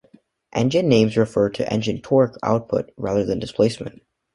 Engine names referred to engine torque output rather than displacement.